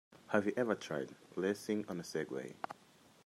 Have you ever tried racing on a Segway?